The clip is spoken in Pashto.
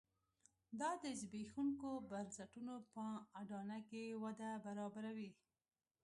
دا د زبېښونکو بنسټونو په اډانه کې وده برابروي.